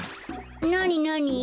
なになに？